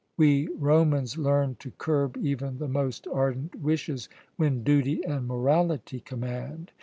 We Romans learn to curb even the most ardent wishes when duty and morality command.